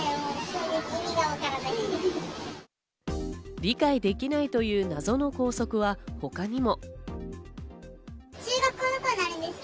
理解できないという謎の校則は他にも。